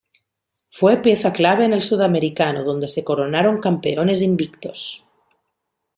Fue pieza clave en el Sudamericano donde se coronaron campeones invictos.